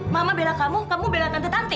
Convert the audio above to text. mama bela kamu kamu bela tante tante